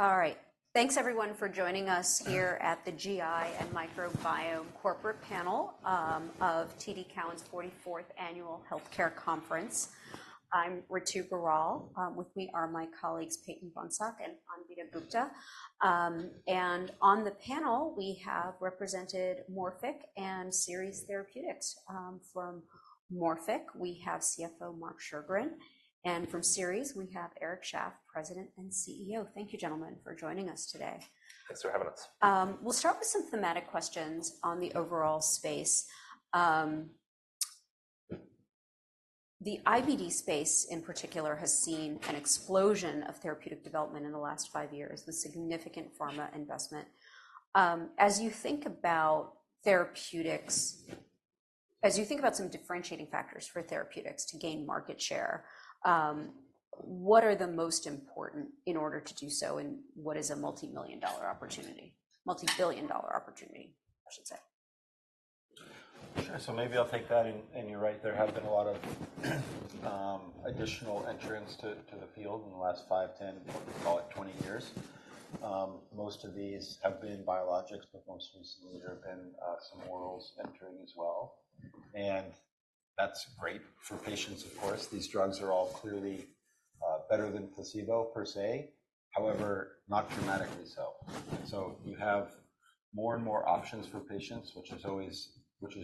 All right. Thanks, everyone, for joining us here at the GI and Microbiome Corporate Panel of TD Cowen's 44th Annual Healthcare Conference. I'm Ritu Baral. With me are my colleagues, Peyton Bohnsack and Anvita Gupta. On the panel, we have represented Morphic and Seres Therapeutics. From Morphic, we have CFO Marc Schegerin, and from Seres, we have Eric Shaff, President and CEO. Thank you, gentlemen, for joining us today. Thanks for having us. We'll start with some thematic questions on the overall space. The IBD space, in particular, has seen an explosion of therapeutic development in the last five years, with significant pharma investment. As you think about some differentiating factors for therapeutics to gain market share, what are the most important in order to do so, and what is a multimillion-dollar opportunity? Multibillion-dollar opportunity, I should say. Sure. So maybe I'll take that in, and you're right, there have been a lot of additional entrants to the field in the last five, 10, call it 20 years. Most of these have been biologics, but most recently, there have been some orals entering as well, and that's great for patients, of course. These drugs are all clearly better than placebo per se, however, not dramatically so. So you have more and more options for patients, which is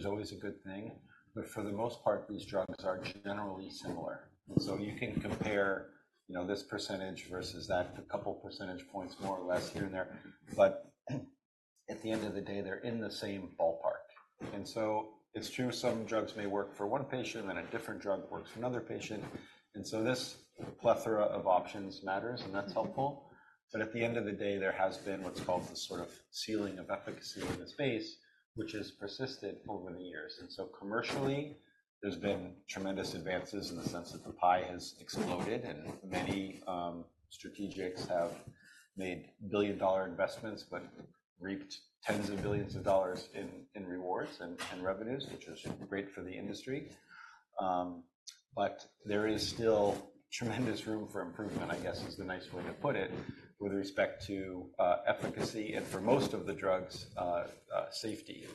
always a good thing, but for the most part, these drugs are generally similar. So you can compare, you know, this percentage versus that, a couple percentage points, more or less here and there, but at the end of the day, they're in the same ballpark. It's true, some drugs may work for one patient, and a different drug works for another patient, and so this plethora of options matters, and that's helpful. But at the end of the day, there has been what's called the sort of ceiling of efficacy in the space, which has persisted over the years. Commercially, there's been tremendous advances in the sense that the pie has exploded, and many strategics have made billion-dollar investments, but reaped tens of billions of dollars in rewards and revenues, which is great for the industry. But there is still tremendous room for improvement, I guess, is the nice way to put it, with respect to efficacy and for most of the drugs safety.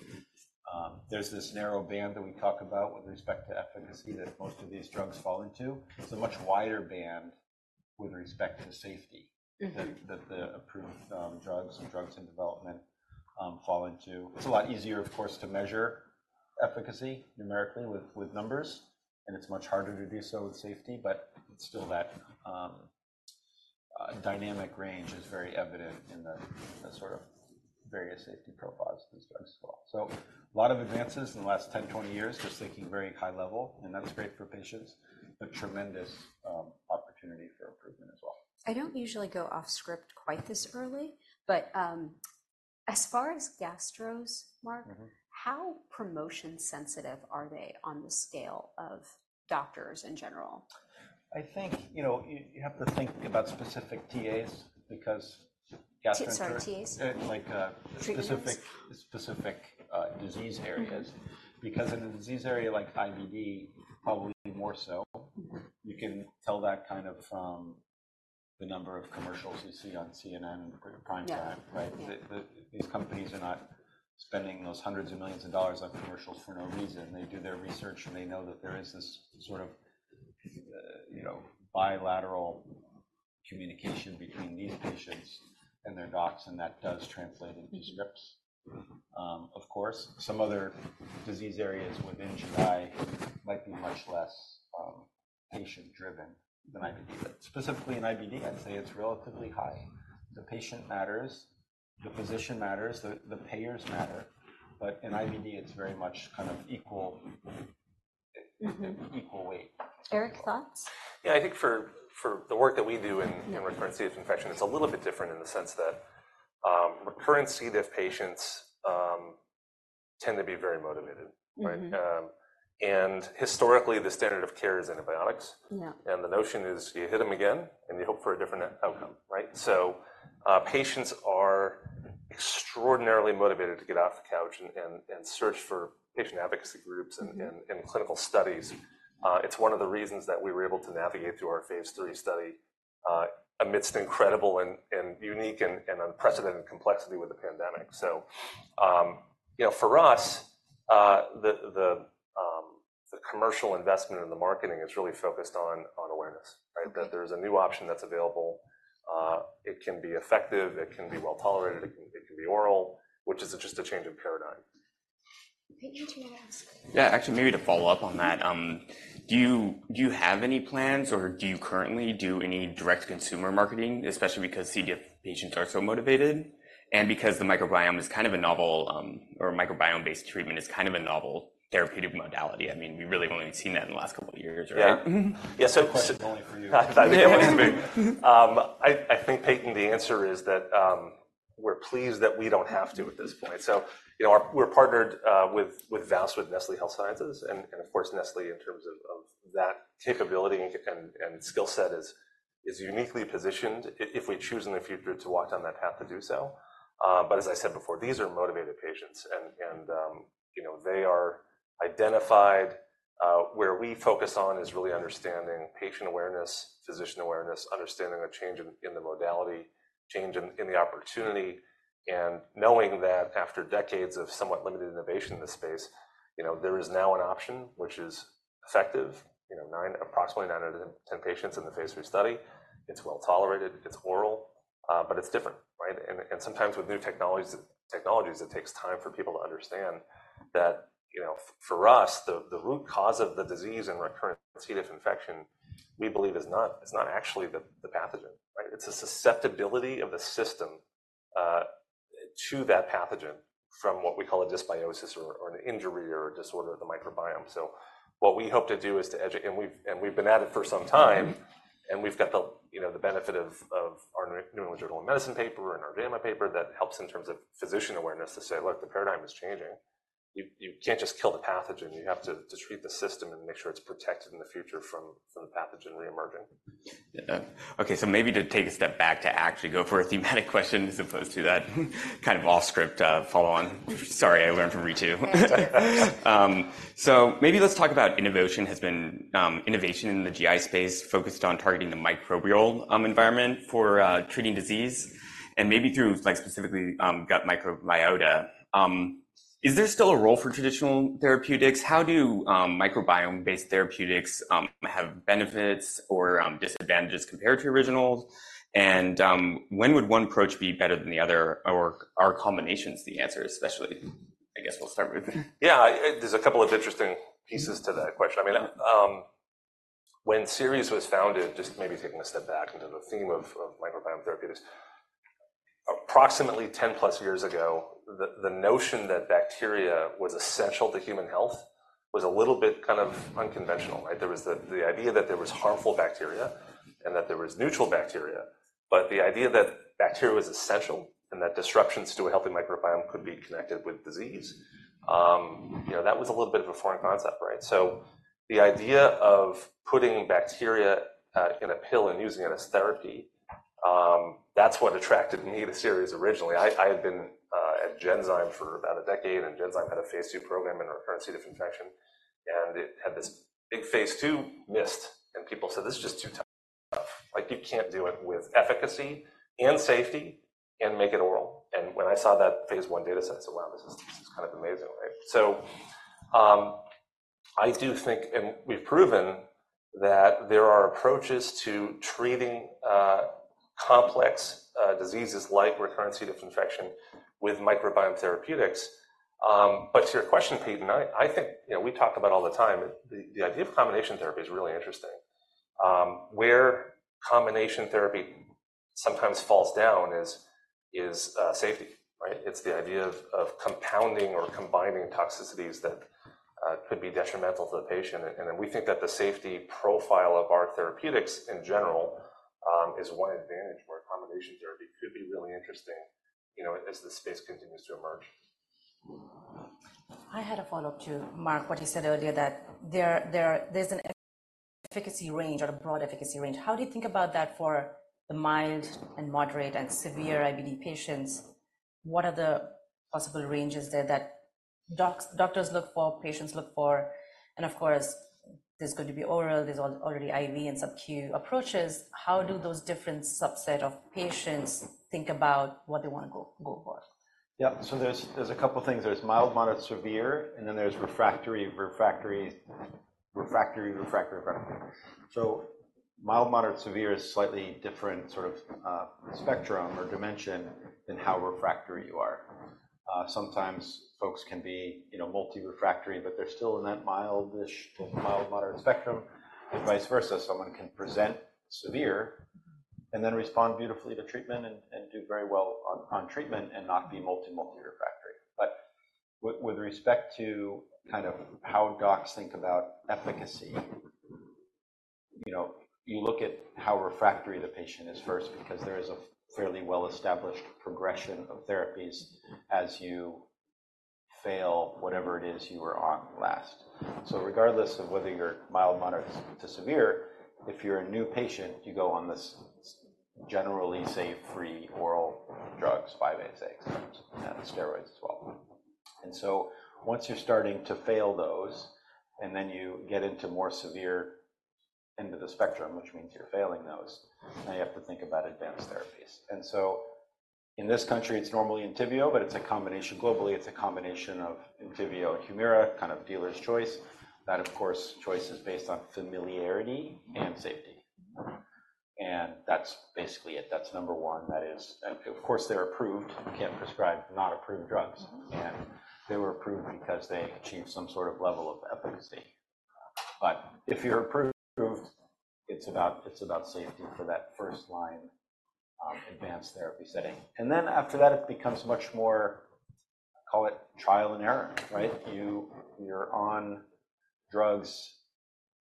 There's this narrow band that we talk about with respect to efficacy that most of these drugs fall into. It's a much wider band with respect to the safety- that the approved drugs and drugs in development fall into. It's a lot easier, of course, to measure efficacy numerically with numbers, and it's much harder to do so with safety, but still that dynamic range is very evident in the sort of various safety profiles of these drugs as well. So a lot of advances in the last 10, 20 years, just thinking very high level, and that's great for patients, but tremendous opportunity for improvement as well. I don't usually go off script quite this early, but, as far as gastros, Marc How promotion sensitive are they on the scale of doctors in general? I think, you know, you have to think about specific TAs because gastro- Sorry, TAs? Like, uh- Treatments... specific disease areas. Because in a disease area like IBD, probably more so. You can tell that kind of from the number of commercials you see on CNN in prime time, right? Yeah. These companies are not spending those hundreds of millions of dollars on commercials for no reason. They do their research, and they know that there is this sort of, you know, bilateral communication between these patients and their docs, and that does translate into scripts. Of course, some other disease areas within GI might be much less patient-driven than IBD. But specifically in IBD, I'd say it's relatively high. The patient matters, the physician matters, the payers matter. But in IBD, it's very much kind of equal weight. Eric, thoughts? Yeah, I think for the work that we do in- recurrent C. difficile infection, it's a little bit different in the sense that, recurrent C. diff patients tend to be very motivated, right? Historically, the standard of care is antibiotics. Yeah. The notion is, you hit them again, and you hope for a different outcome, right? So, patients are extraordinarily motivated to get off the couch and search for patient advocacy groups-... and clinical studies. It's one of the reasons that we were able to navigate through our phase 3 study amidst incredible and unique and unprecedented complexity with the pandemic. So, you know, for us, the commercial investment and the marketing is really focused on awareness, right? That there's a new option that's available. It can be effective, it can be well tolerated, it can, it can be oral, which is just a change of paradigm. Peyton, do you want to ask? Yeah, actually, maybe to follow up on that, do you, do you have any plans, or do you currently do any direct consumer marketing, especially because C. diff patients are so motivated and because the microbiome is kind of a novel, or microbiome-based treatment is kind of a novel therapeutic modality? I mean, we really have only seen that in the last couple of years, right? Yeah. Yeah, so- That question is only for you. Yeah. I think, Peyton, the answer is that we're pleased that we don't have to at this point. So, you know, our-- we're partnered with VOWST with Nestlé Health Science, and of course, Nestlé, in terms of that capability and skill set is uniquely positioned if we choose in the future to walk down that path to do so. But as I said before, these are motivated patients, and you know, they are identified. Where we focus on is really understanding patient awareness, physician awareness, understanding the change in the modality, change in the opportunity, and knowing that after decades of somewhat limited innovation in this space, you know, there is now an option which is effective. You know, approximately nine out of ten patients in the phase II study. It's well tolerated, it's oral, but it's different, right? And sometimes with new technologies, it takes time for people to understand that, you know, for us, the root cause of the disease and recurrent C. diff infection, we believe, is not actually the pathogen, right? It's the susceptibility of the system to that pathogen from what we call a dysbiosis or an injury or a disorder of the microbiome. So what we hope to do is to educate. And we've been at it for some time, and we've got, you know, the benefit of our New England Journal of Medicine paper and our JAMA paper that helps in terms of physician awareness to say, "Look, the paradigm is changing. You can't just kill the pathogen. You have to treat the system and make sure it's protected in the future from the pathogen reemerging. Yeah. Okay, so maybe to take a step back to actually go for a thematic question, as opposed to that kind of off-script, follow-on. Sorry, I learned from Ritu. Yeah. So maybe let's talk about innovation has been innovation in the GI space, focused on targeting the microbial environment for treating disease, and maybe through, like, specifically, gut microbiota. Is there still a role for traditional therapeutics? How do microbiome-based therapeutics have benefits or disadvantages compared to originals? And when would one approach be better than the other, or are combinations the answer, especially? I guess we'll start with you. Yeah, there's a couple of interesting pieces to that question. I mean- Yeah... when Seres was founded, just maybe taking a step back into the theme of microbiome therapeutics, approximately 10+ years ago, the notion that bacteria was essential to human health was a little bit kind of unconventional, right? There was the idea that there was harmful bacteria and that there was neutral bacteria, but the idea that bacteria was essential and that disruptions to a healthy microbiome could be connected with disease, you know, that was a little bit of a foreign concept, right? So the idea of putting bacteria in a pill and using it as therapy, that's what attracted me to Seres originally. I had been at Genzyme for about a decade, and Genzyme had a Phase II program in recurrent C. diff infection, and it had this big Phase II miss. People said, "This is just too tough. Like, you can't do it with efficacy and safety and make it oral." And when I saw that phase I data set, I said, "Wow, this is, this is kind of amazing, right?" So, I do think, and we've proven, that there are approaches to treating complex diseases like recurrent C. diff infection with microbiome therapeutics. But to your question, Peyton, I think, you know, we talk about it all the time, the idea of combination therapy is really interesting. Where combination therapy sometimes falls down is safety, right? It's the idea of compounding or combining toxicities that could be detrimental to the patient. We think that the safety profile of our therapeutics, in general, is one advantage where combination therapy could be really interesting, you know, as the space continues to emerge. I had a follow-up to Mark, what he said earlier, that there's an efficacy range or a broad efficacy range. How do you think about that for the mild and moderate and severe IBD patients? What are the possible ranges there that doctors look for, patients look for? And of course, there's going to be oral, there's already IV and sub-Q approaches. How do those different subset of patients think about what they wanna go for? Yeah. So there's a couple things. There's mild, moderate, severe, and then there's refractory. So mild, moderate, severe is slightly different sort of spectrum or dimension than how refractory you are. Sometimes folks can be, you know, multi-refractory, but they're still in that mild-ish, mild, moderate spectrum, and vice versa. Someone can present severe and then respond beautifully to treatment and do very well on treatment and not be multi-refractory. But with respect to kind of how docs think about efficacy, you know, you look at how refractory the patient is first, because there is a fairly well-established progression of therapies as you fail whatever it is you were on last. So regardless of whether you're mild, moderate, to severe, if you're a new patient, you go on this generally safe, free oral drugs, 5-ASAs, and steroids as well. And so once you're starting to fail those, and then you get into more severe end of the spectrum, which means you're failing those, now you have to think about advanced therapies. And so in this country, it's normally Entyvio, but it's a combination, globally, it's a combination of Entyvio and Humira, kind of dealer's choice. That, of course, choice is based on familiarity and safety. And that's basically it. That's number one. That is. And of course, they're approved. You can't prescribe not approved drugs, and they were approved because they achieved some sort of level of efficacy. But if you're approved, it's about, it's about safety for that first-line, advanced therapy setting. And then after that, it becomes much more, call it trial and error, right? You're on drugs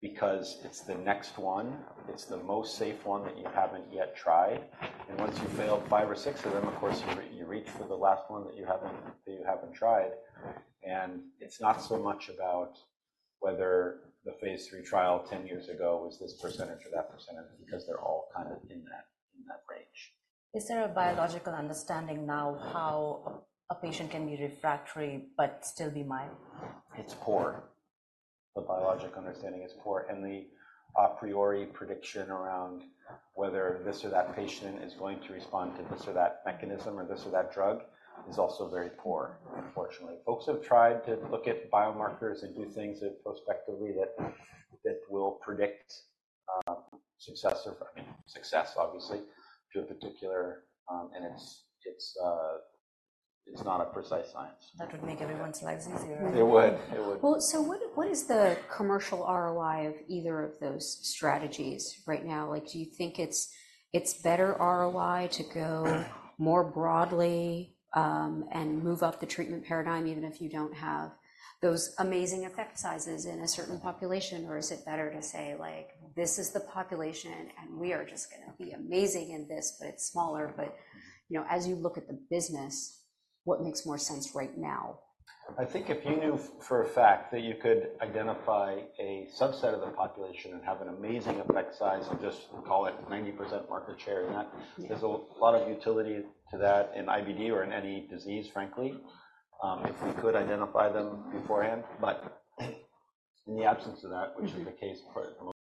because it's the next one. It's the most safe one that you haven't yet tried. And once you've failed five or six of them, of course, you reach for the last one that you haven't tried. And it's not so much about whether the phase 3 trial 10 years ago was this percentage or that percentage, because they're all kind of in that range. Is there a biological understanding now how a patient can be refractory but still be mild? It's poor. The biologic understanding is poor, and the a priori prediction around whether this or that patient is going to respond to this or that mechanism or this or that drug is also very poor, unfortunately. Folks have tried to look at biomarkers and do things that prospectively will predict success or, I mean, success obviously, to a particular—and it's not a precise science. That would make everyone's lives easier. It would. It would. Well, so what is the commercial ROI of either of those strategies right now? Like, do you think it's better ROI to go more broadly, and move up the treatment paradigm, even if you don't have those amazing effect sizes in a certain population? Or is it better to say, like, "This is the population, and we are just gonna be amazing in this," but it's smaller, you know, as you look at the business, what makes more sense right now? I think if you knew for a fact that you could identify a subset of the population and have an amazing effect size, and just call it 90% market share in that- Yeah. There's a lot of utility to that in IBD or in any disease, frankly, if we could identify them beforehand. But in the absence of that, which is the case for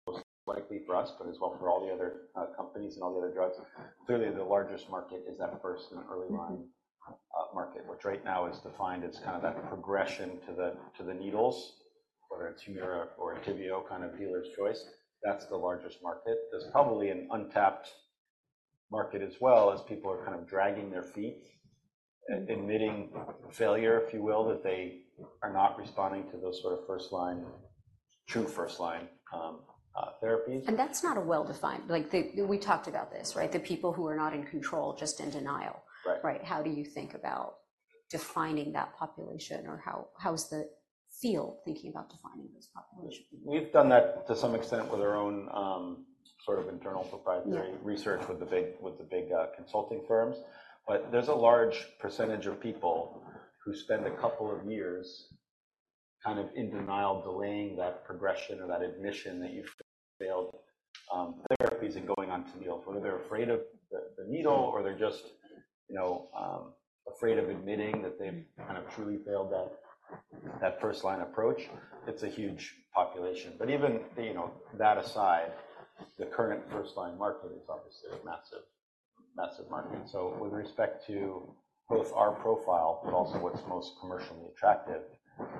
most likely for us, but as well for all the other companies and all the other drugs, clearly the largest market is that first and early line market, which right now is defined as kind of that progression to the, to the needles, whether it's Humira or Entyvio, kind of dealer's choice. That's the largest market. There's probably an untapped market as well, as people are kind of dragging their feet and admitting failure, if you will, that they are not responding to those sort of first-line, true first-line therapies. That's not a well-defined—like, we talked about this, right? The people who are not in control, just in denial. Right. Right. How do you think about defining that population, or how, how is the field thinking about defining this population? We've done that to some extent with our own, sort of internal proprietary- Yeah research with the big consulting firms. But there's a large percentage of people who spend a couple of years kind of in denial, delaying that progression or that admission that you've failed therapies and going on to needle. Whether they're afraid of the needle, or they're just, you know, afraid of admitting that they've kind of truly failed that first-line approach. It's a huge population. But even, you know, that aside, the current first-line market is obviously a massive, massive market. So with respect to both our profile, but also what's most commercially attractive,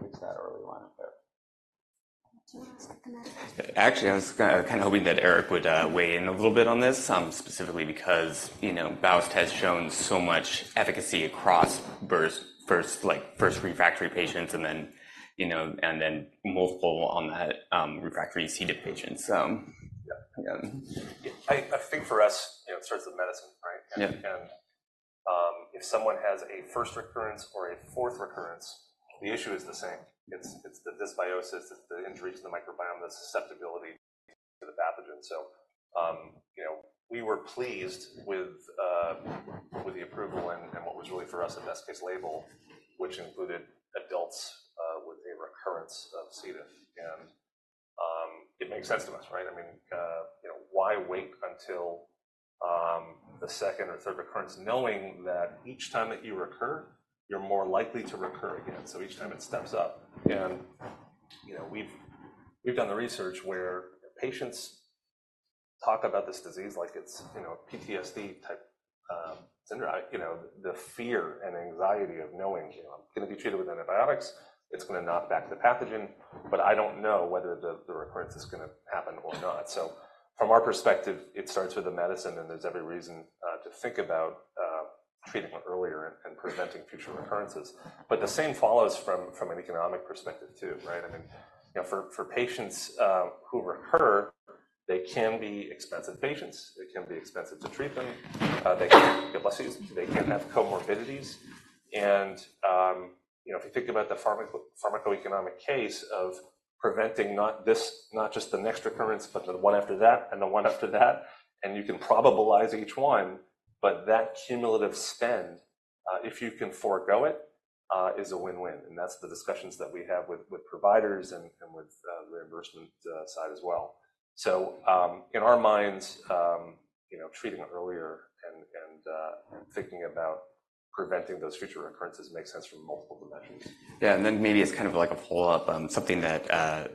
it's that early line of therapy. Do you want to take a look? Actually, I was kinda hoping that Eric would weigh in a little bit on this, specifically because, you know, VOWST has shown so much efficacy across first, like, first refractory patients and then, you know, and then multiple on that, refractory C. diff patients. Yeah. Yeah. I think for us, you know, it starts with medicine, right? Yeah. If someone has a first recurrence or a fourth recurrence, the issue is the same. It's the dysbiosis, it's the injuries to the microbiome, the susceptibility to the pathogen. You know, we were pleased with the approval and what was really, for us, a best-case label, which included adults with a recurrence of C. diff. It makes sense to us, right? I mean, you know, why wait until the second or third recurrence, knowing that each time that you recur, you're more likely to recur again, so each time it steps up. You know, we've done the research where patients talk about this disease like it's, you know, PTSD-type syndrome. You know, the fear and anxiety of knowing, you know, I'm gonna be treated with antibiotics. It's gonna knock back the pathogen, but I don't know whether the recurrence is gonna happen or not. So from our perspective, it starts with the medicine, and there's every reason to think about treating it earlier and preventing future recurrences. But the same follows from an economic perspective, too, right? I mean, you know, for patients who recur, they can be expensive patients, they can be expensive to treat them, they can get abscesses, they can have comorbidities. And, you know, if you think about the pharmacoeconomic case of preventing not this, not just the next recurrence, but the one after that and the one after that, and you can probabilize each one, but that cumulative spend, if you can forego it, is a win-win. That's the discussions that we have with providers and with the reimbursement side as well. In our minds, you know, treating it earlier and thinking about preventing those future recurrences makes sense from multiple dimensions. Yeah, and then maybe it's kind of like a follow-up on something that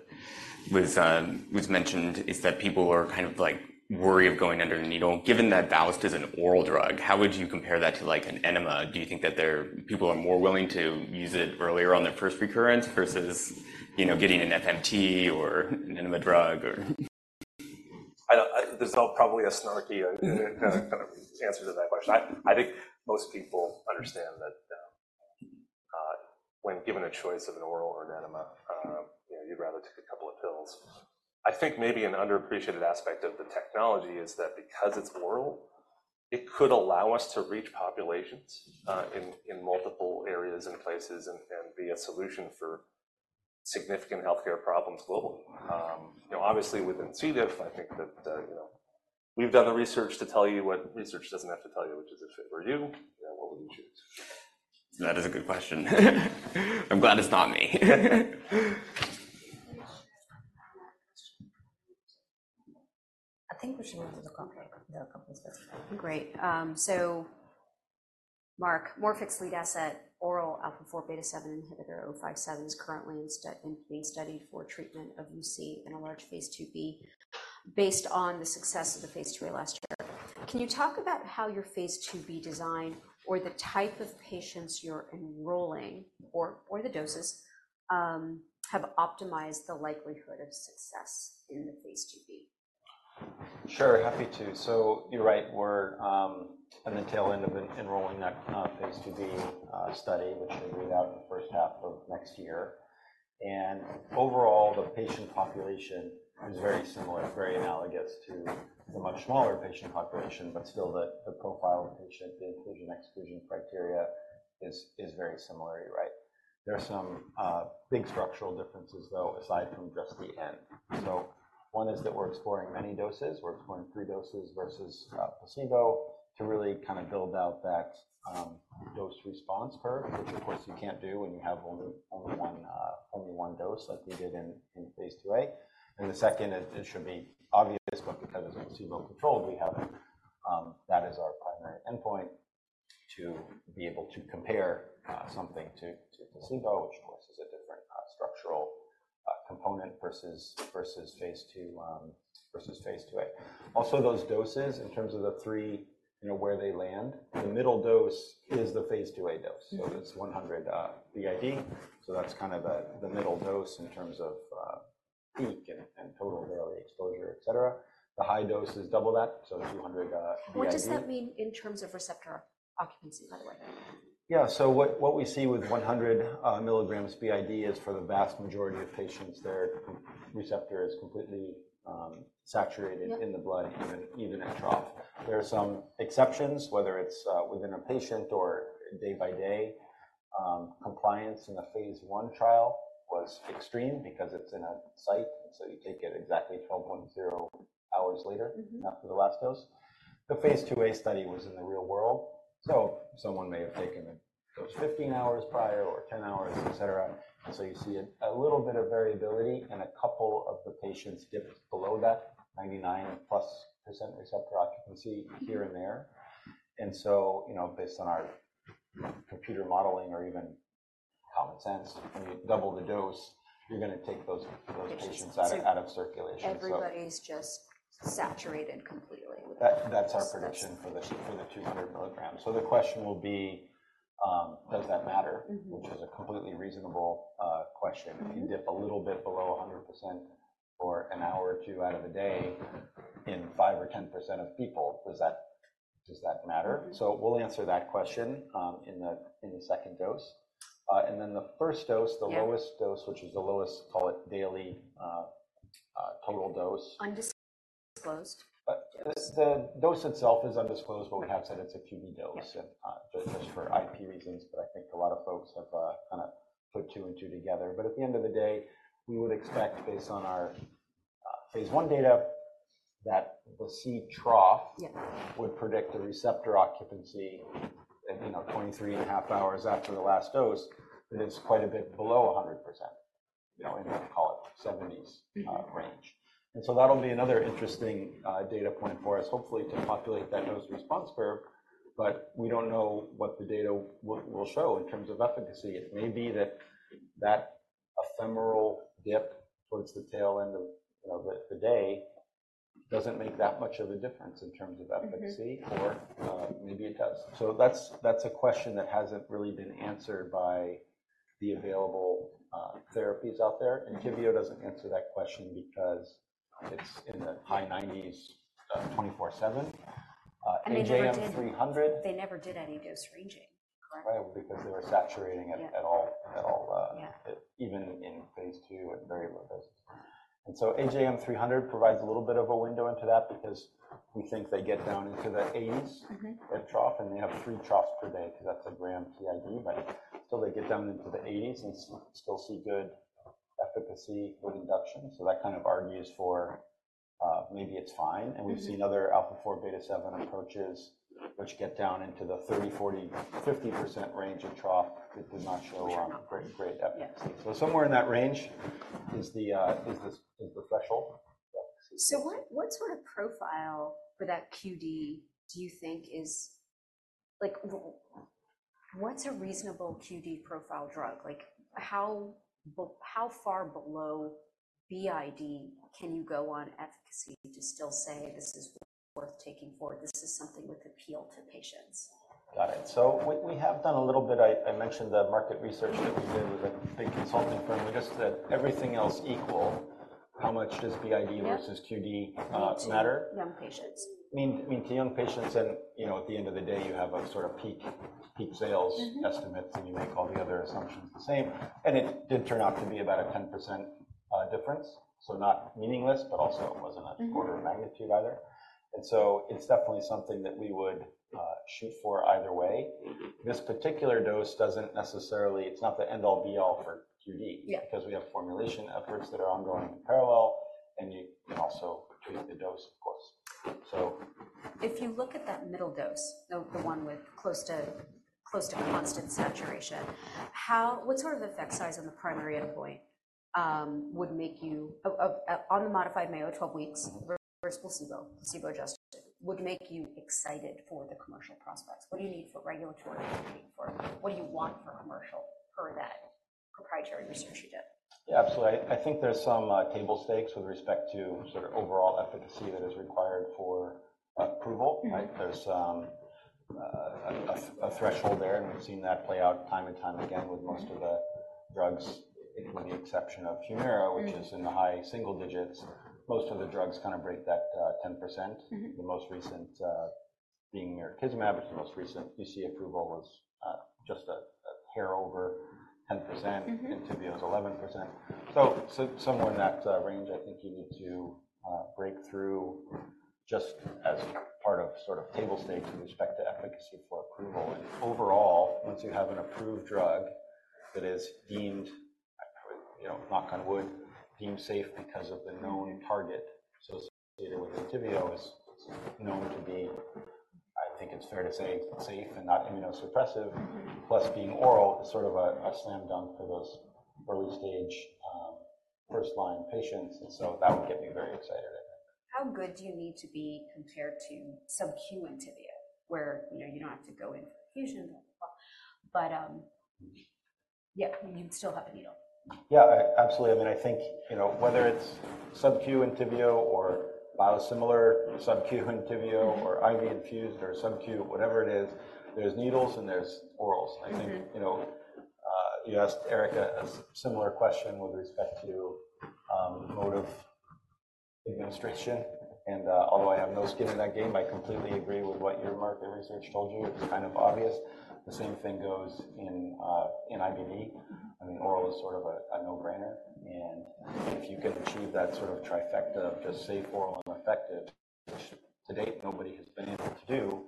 was mentioned, is that people are kind of like wary of going under the needle. Given that VOWST is an oral drug, how would you compare that to, like, an enema? Do you think that they're—people are more willing to use it earlier on their first recurrence versus, you know, getting an FMT or an enema drug, or? This is all probably a snarky kind of answer to that question. I think most people understand that, when given a choice of an oral or an enema, you know, you'd rather take a couple of pills. I think maybe an underappreciated aspect of the technology is that because it's oral, it could allow us to reach populations in multiple areas and places and be a solution for significant healthcare problems globally. You know, obviously, within C. diff, I think that, you know, we've done the research to tell you what research doesn't have to tell you, which is, if it were you, then what would you choose?... That is a good question. I'm glad it's not me. I think we should move to the company, the company's best. Great. So Mark, Morphic's lead asset, oral alpha-4 beta-7 inhibitor 057, is currently in being studied for treatment of UC in a large phase IIb, based on the success of the phase IIa last year. Can you talk about how your phase IIb design or the type of patients you're enrolling or the doses have optimized the likelihood of success in the phase IIb? Sure, happy to. So you're right, we're on the tail end of enrolling that phase IIb study, which should read out in the first half of next year. And overall, the patient population is very similar, very analogous to the much smaller patient population, but still the profile of the patient, the inclusion/exclusion criteria is very similar, you're right. There are some big structural differences, though, aside from just the N. So one is that we're exploring many doses. We're exploring three doses versus placebo to really kind of build out that dose response curve, which, of course, you can't do when you have only one dose like we did in phase IIa. And the second is, it should be obvious, but because it's placebo-controlled, we have that as our primary endpoint to be able to compare something to placebo, which, of course, is a different structural component versus phase II versus phase IIa. Also, those doses in terms of the three, you know, where they land, the middle dose is the phase IIa dose- So it's 100, BID. So that's kind of the middle dose in terms of peak and and total daily exposure, et cetera. The high dose is double that, so 200, BID. What does that mean in terms of receptor occupancy, by the way? Yeah. So what we see with 100 milligrams BID is for the vast majority of patients, their receptor is completely saturated- Yep... in the blood, even, even at trough. There are some exceptions, whether it's within a patient or day by day. Compliance in the phase I trial was extreme because it's in a site, so you take it exactly 12.0 hours later... after the last dose. The phase IIa study was in the real world, so someone may have taken the dose 15 hours prior or 10 hours, et cetera. And so you see a little bit of variability, and a couple of the patients dip below that 99+% receptor occupancy here and there. And so, you know, based on our computer modeling or even common sense, when you double the dose, you're going to take those patients out of circulation. So- Everybody's just saturated completely with that. That's our prediction for the- That's-... for the 200 milligrams. So the question will be, does that matter? Which is a completely reasonable question. If you dip a little bit below 100% for an hour or two out of the day in 5% or 10% of people, does that, does that matter? We'll answer that question in the second dose, and then the first dose- Yeah... the lowest dose, which is the lowest, call it, daily, total dose. Undisclosed. But the dose itself is undisclosed, but we have said it's a QD dose. Yep... just for IP reasons, but I think a lot of folks have, kind of put two and two together. But at the end of the day, we would expect, based on our phase I data, that the C trough- Yes... would predict a receptor occupancy at, you know, 23.5 hours after the last dose, that it's quite a bit below 100%. You know, in, call it, 70s… range. So that'll be another interesting data point for us, hopefully, to populate that dose response curve, but we don't know what the data will show in terms of efficacy. It may be that ephemeral dip towards the tail end of, you know, the day doesn't make that much of a difference in terms of efficacy-... or, maybe it does. So that's, that's a question that hasn't really been answered by the available, therapies out there. Entyvio doesn't answer that question because it's in the high nineties, 24/7. AJM300- They never did any dose ranging, correct? Right, because they were saturating it- Yeah... at all, at all Yeah... even in phase II at very low doses. And so AJM300 provides a little bit of a window into that because we think they get down into the eighties-... at trough, and they have 3 troughs per day because that's a gram TID. But still, they get down into the 80s and still see good efficacy with induction. So that kind of argues for, maybe it's fine. We've seen other alpha-4 beta-7 approaches which get down into the 30, 40, 50% range of trough, which does not show- Which is not... great, great efficacy. Yeah. Somewhere in that range is the threshold. So what sort of profile for that QD do you think is... Like, what's a reasonable QD profile drug? Like, how far below BID can you go on efficacy to still say, "This is worth taking forward. This is something with appeal to patients? Got it. So we have done a little bit. I mentioned the market research that we did with a big consulting firm, which is that everything else equal, how much does BID- Yep... versus QD, matter? Young patients. I mean, to young patients and, you know, at the end of the day, you have a sort of peak sales-... estimates, and you make all the other assumptions the same. And it did turn out to be about a 10% difference. So not meaningless, but also-... it wasn't an order of magnitude either. And so it's definitely something that we would shoot for either way. This particular dose doesn't necessarily. It's not the end-all, be-all for QD. Yeah. Because we have formulation efforts that are ongoing in parallel, and you can also adjust the dose, of course. So-... If you look at that middle dose, the one with close to constant saturation, what sort of effect size on the primary endpoint would make you on the modified Mayo 12 weeks versus placebo, placebo-adjusted, would make you excited for the commercial prospects? What do you need for regulatory, or what do you want for commercial per that proprietary research you did? Yeah, absolutely. I think there's some table stakes with respect to sort of overall efficacy that is required for approval, right There's a threshold there, and we've seen that play out time and time again with most of the drugs, with the exception of Humira- -which is in the high single digits. Most of the drugs kind of break that 10%. The most recent being mirikizumab, which the most recent UC approval was just a hair over 10%. Entyvio is 11%. So somewhere in that range, I think you need to break through just as part of sort of table stakes with respect to efficacy for approval. And overall, once you have an approved drug that is deemed, you know, knock on wood, deemed safe because of the known target, so as with Entyvio is known to be, I think it's fair to say, safe and not immunosuppressive, plus being oral is sort of a slam dunk for those early-stage, first-line patients. And so that would get me very excited, I think. How good do you need to be compared to subQ Entyvio, where, you know, you don't have to go in for infusion, but, yeah, you still have the needle? Yeah, absolutely. I mean, I think, you know, whether it's subQ Entyvio or biosimilar subQ Entyvio or IV infused or subQ, whatever it is, there's needles and there's orals. I think, you know, you asked Eric a similar question with respect to mode of administration. And, although I have no skin in that game, I completely agree with what your market research told you. It's kind of obvious. The same thing goes in, in IBD. I mean, oral is sort of a no-brainer. And if you can achieve that sort of trifecta of just safe, oral, and effective, which to date, nobody has been able to do,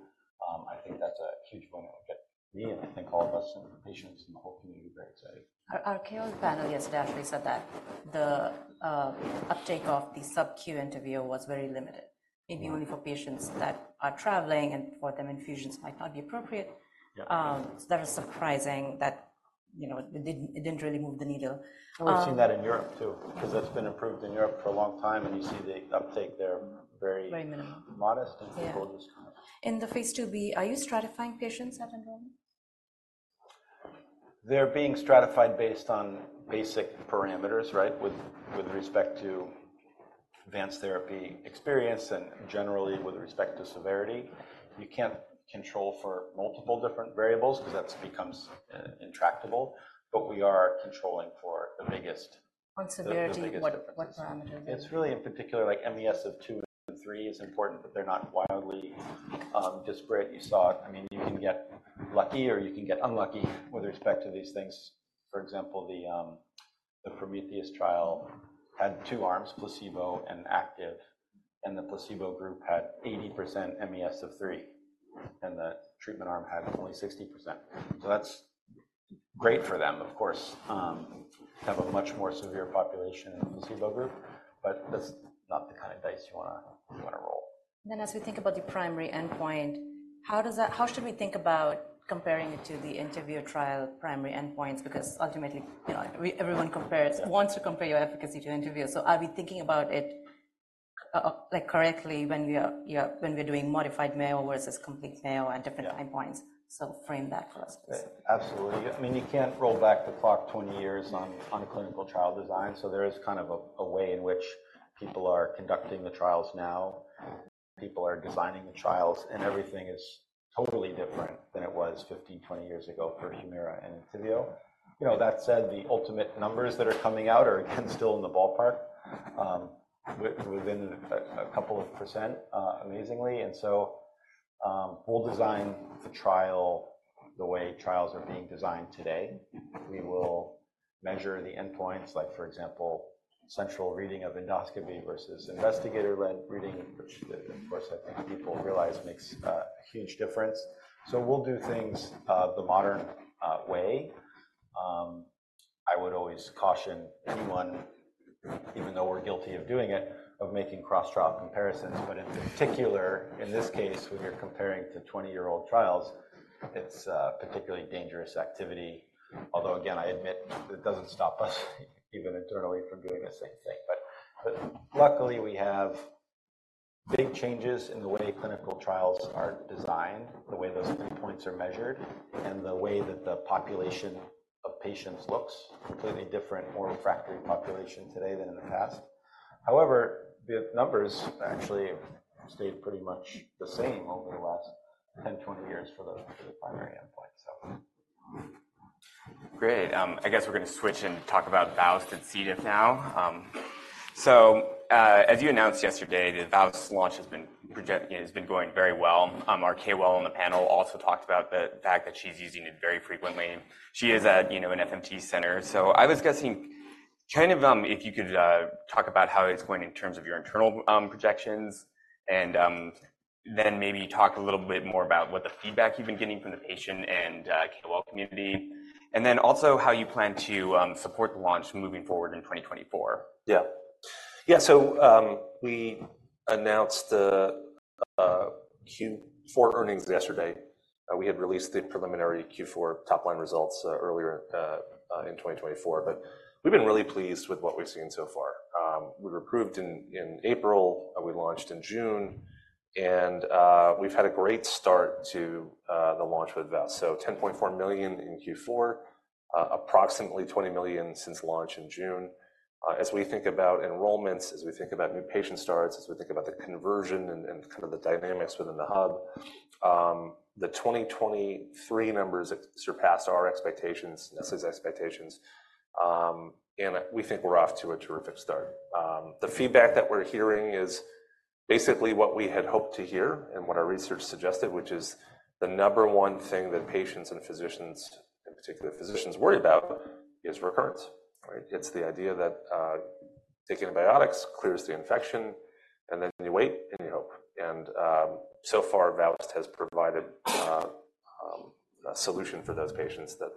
I think that's a huge win that will get me, and I think all of us, and the patients, and the whole community very excited. Our KOL panel yesterday actually said that the uptake of the subQ Entyvio was very limited. Only for patients that are traveling, and for them, infusions might not be appropriate. Yeah. So that was surprising that, you know, it didn't, it didn't really move the needle. I've seen that in Europe, too, because it's been approved in Europe for a long time, and you see the uptake there very- Very minimal... modest, and people just kind of- In the phase IIb, are you stratifying patients at enrollment? They're being stratified based on basic parameters, right? With, with respect to advanced therapy experience and generally with respect to severity. You can't control for multiple different variables because that's becomes intractable, but we are controlling for the biggest- On severity- The biggest differences -what parameters? It's really in particular, like MES of 2 and 3 is important, but they're not wildly disparate. You saw it. I mean, you can get lucky or you can get unlucky with respect to these things. For example, the Prometheus trial had two arms, placebo and active, and the placebo group had 80% MES of 3, and the treatment arm had only 60%. So that's great for them, of course. Have a much more severe population in the placebo group, but that's not the kind of dice you wanna, you wanna roll. Then, as we think about the primary endpoint, how should we think about comparing it to the Entyvio trial primary endpoints? Because ultimately, you know, everyone compares, wants to compare your efficacy to Entyvio. So are we thinking about it, like, correctly when we are, when we're doing modified Mayo versus complete Mayo at different- Yeah... endpoints? So frame that for us, please. Absolutely. I mean, you can't roll back the clock 20 years on clinical trial design, so there is kind of a way in which people are conducting the trials now. People are designing the trials, and everything is totally different than it was 15, 20 years ago for Humira and Entyvio. You know, that said, the ultimate numbers that are coming out are again, still in the ballpark, within a couple of %, amazingly. And so, we'll design the trial the way trials are being designed today. We will measure the endpoints, like, for example, central reading of endoscopy versus investigator reading, which of course, I think people realize makes a huge difference. So we'll do things the modern way. I would always caution anyone, even though we're guilty of doing it, of making cross-trial comparisons, but in particular, in this case, when you're comparing to 20-year-old trials, it's a particularly dangerous activity. Although, again, I admit it doesn't stop us, even internally, from doing the same thing. But, but luckily, we have big changes in the way clinical trials are designed, the way those endpoints are measured, and the way that the population of patients looks. Completely different more refractory population today than in the past. However, the numbers actually have stayed pretty much the same over the last 10, 20 years for the, for the primary endpoint, so. Great, I guess we're gonna switch and talk about VOWST and C. diff now. So, as you announced yesterday, the VOWST launch has been going very well. Our KOL on the panel also talked about the fact that she's using it very frequently. She is at, you know, an FMT center. So I was guessing, kind of, if you could talk about how it's going in terms of your internal projections, and then maybe talk a little bit more about what the feedback you've been getting from the patient and KOL community, and then also how you plan to support the launch moving forward in 2024. Yeah. Yeah, so, we announced the-... Q4 earnings yesterday. We had released the preliminary Q4 top-line results earlier in 2024, but we've been really pleased with what we've seen so far. We were approved in April, and we launched in June, and we've had a great start to the launch with VOWST. So $10.4 million in Q4, approximately $20 million since launch in June. As we think about enrollments, as we think about new patient starts, as we think about the conversion and kind of the dynamics within the hub, the 2023 numbers surpassed our expectations, Nestlé's expectations, and we think we're off to a terrific start. The feedback that we're hearing is basically what we had hoped to hear and what our research suggested, which is the number one thing that patients and physicians, in particular, physicians worry about, is recurrence, right? It's the idea that take antibiotics, clears the infection, and then you wait, and you hope. So far, VOWST has provided a solution for those patients that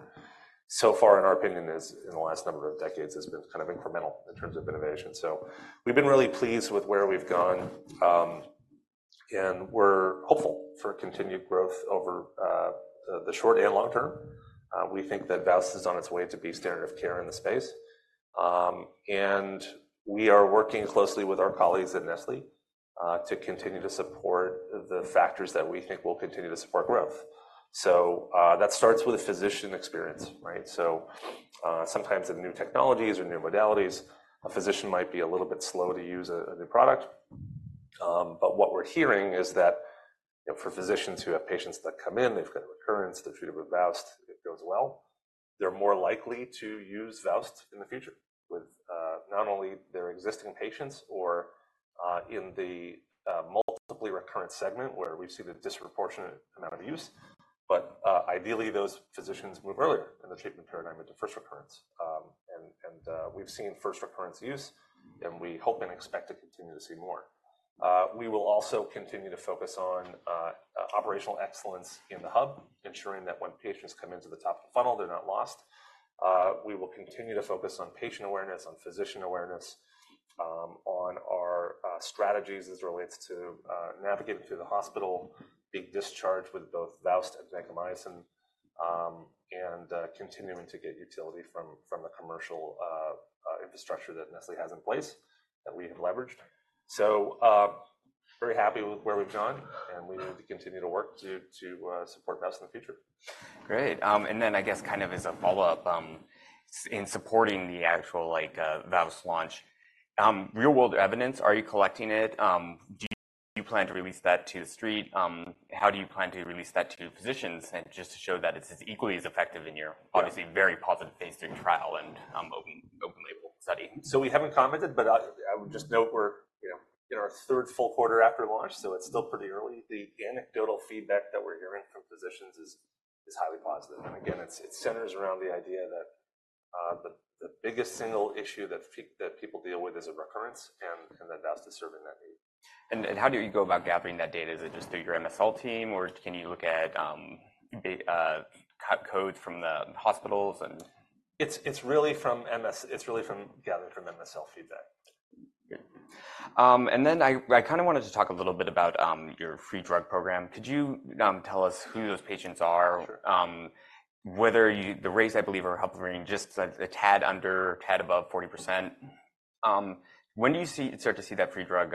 so far, in our opinion, is, in the last number of decades, has been kind of incremental in terms of innovation. So we've been really pleased with where we've gone, and we're hopeful for continued growth over the short and long term. We think that VOWST is on its way to be standard of care in the space. And we are working closely with our colleagues at Nestlé, to continue to support the factors that we think will continue to support growth. So, that starts with a physician experience, right? So, sometimes with new technologies or new modalities, a physician might be a little bit slow to use a, a new product. But what we're hearing is that, you know, for physicians who have patients that come in, they've got a recurrence, they've treated with VOWST, it goes well. They're more likely to use VOWST in the future with, not only their existing patients or, in the, multiply recurrent segment, where we've seen a disproportionate amount of use. But, ideally, those physicians move earlier in the treatment paradigm into first recurrence. We've seen first recurrence use, and we hope and expect to continue to see more. We will also continue to focus on operational excellence in the hub, ensuring that when patients come into the top of the funnel, they're not lost. We will continue to focus on patient awareness, on physician awareness, on our strategies as it relates to navigating through the hospital, being discharged with both VOWST and Vancomycin, and continuing to get utility from a commercial infrastructure that Nestlé has in place that we have leveraged. So, very happy with where we've gone, and we need to continue to work to support VOWST in the future. Great. And then I guess kind of as a follow-up, in supporting the actual, like, VOWST launch, real-world evidence, are you collecting it? Do you plan to release that to the street? How do you plan to release that to physicians and just to show that it's as equally as effective in your- Yeah... obviously, very positive phase III trial and open label study? So we haven't commented, but I would just note we're, you know, in our third full quarter after launch, so it's still pretty early. The anecdotal feedback that we're hearing from physicians is highly positive, and again, it centers around the idea that the biggest single issue that people deal with is a recurrence, and that VOWST is serving that need. And, how do you go about gathering that data? Is it just through your MSL team, or can you look at codes from the hospitals and- It's really gathered from MSL feedback. Good. And then I kind of wanted to talk a little bit about your free drug program. Could you tell us who those patients are? Sure. Whether the rates, I believe, are hitting just a tad under, a tad above 40%. When do you start to see that free drug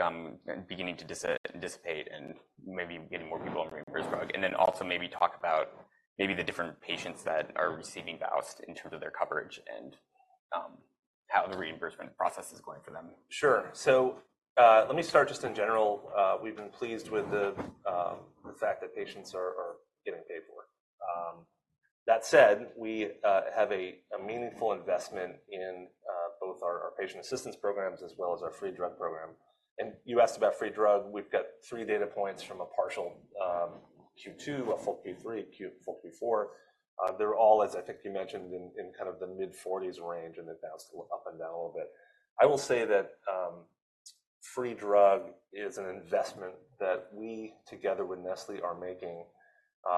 beginning to dissipate and maybe getting more people on reimbursed drug? And then also maybe talk about the different patients that are receiving VOWST in terms of their coverage and how the reimbursement process is going for them. Sure. So, let me start just in general. We've been pleased with the fact that patients are getting paid for. That said, we have a meaningful investment in both our patient assistance programs as well as our free drug program. And you asked about free drug. We've got three data points from a partial Q2, a full Q3, full Q4. They're all, as I think you mentioned, in kind of the mid-forties range, and that's up and down a little bit. I will say that free drug is an investment that we, together with Nestlé, are making,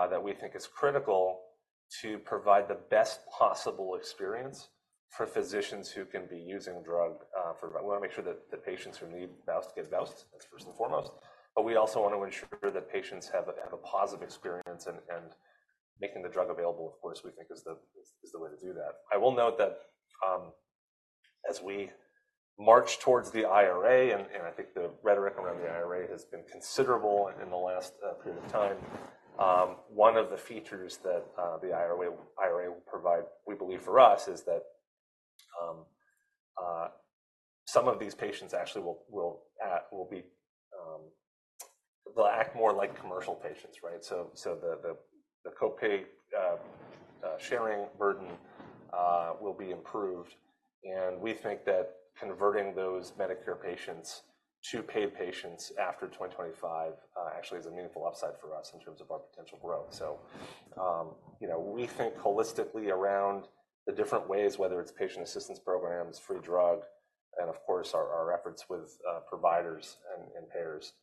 that we think is critical to provide the best possible experience for physicians who can be using drug for... We want to make sure that the patients who need VOWST get VOWST, that's first and foremost. But we also want to ensure that patients have a positive experience, and making the drug available, of course, we think is the way to do that. I will note that, as we march towards the IRA, and I think the rhetoric around the IRA has been considerable in the last period of time, one of the features that the IRA will provide, we believe, for us, is that some of these patients actually will be, they'll act more like commercial patients, right? So the copay sharing burden will be improved, and we think that converting those Medicare patients to paid patients after 2025 actually is a meaningful upside for us in terms of our potential growth. So, you know, we think holistically around the different ways, whether it's patient assistance programs, free drug, and of course, our efforts with providers and payers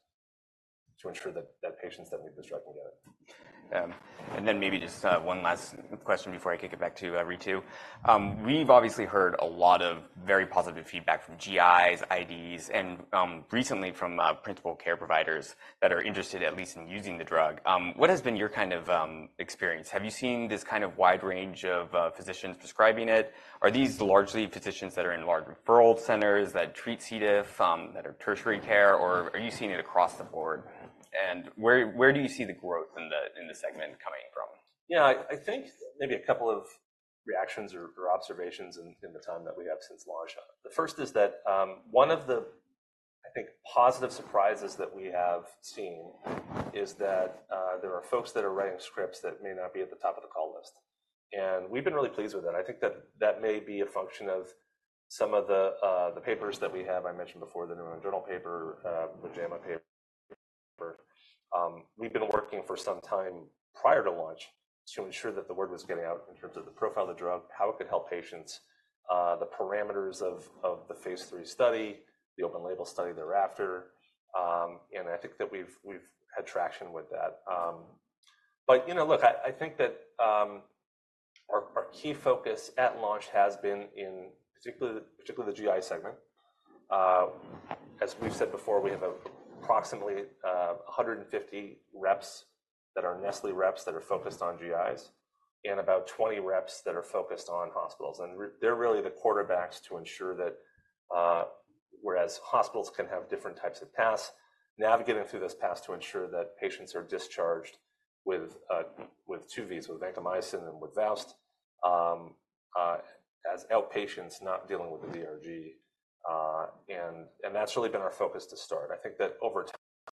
to ensure that patients that need this drug can get it. ... And then maybe just, one last question before I kick it back to, Ritu. We've obviously heard a lot of very positive feedback from GIs, IDs, and, recently from, primary care providers that are interested at least in using the drug. What has been your kind of, experience? Have you seen this kind of wide range of, physicians prescribing it? Are these largely physicians that are in large referral centers, that treat C. diff, that are tertiary care, or are you seeing it across the board? And where, where do you see the growth in the, in the segment coming from? Yeah, I think maybe a couple of reactions or observations in the time that we have since launch. The first is that, one of the, I think, positive surprises that we have seen is that, there are folks that are writing scripts that may not be at the top of the call list, and we've been really pleased with that. I think that that may be a function of some of the, the papers that we have. I mentioned before, the New England Journal paper, the JAMA paper. We've been working for some time prior to launch to ensure that the word was getting out in terms of the profile of the drug, how it could help patients, the parameters of the phase three study, the open label study thereafter. And I think that we've had traction with that. But, you know, look, I think that our key focus at launch has been in particularly the GI segment. As we've said before, we have approximately 150 reps that are Nestlé reps, that are focused on GIs, and about 20 reps that are focused on hospitals. And they're really the quarterbacks to ensure that, whereas hospitals can have different types of paths, navigating through this path to ensure that patients are discharged with two V's, with vancomycin and with VOWST, as outpatients not dealing with the DRG. And that's really been our focus to start. I think that over